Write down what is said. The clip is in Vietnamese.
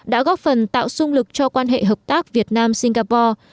đã góp phần tạo sung lực cho quan hệ hợp tác việt nam singapore